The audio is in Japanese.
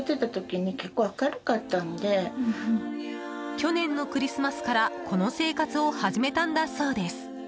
去年のクリスマスからこの生活を始めたんだそうです。